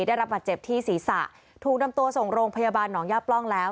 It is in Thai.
ได้รับบาดเจ็บที่ศีรษะถูกนำตัวส่งโรงพยาบาลหนองย่าปล้องแล้ว